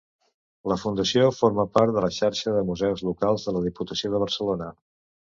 La Fundació forma part de la Xarxa de Museus Locals de la Diputació de Barcelona.